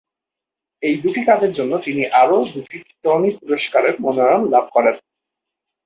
এই দুটি কাজের জন্য তিনি আরও দুটি টনি পুরস্কারের মনোনয়ন লাভ করেন।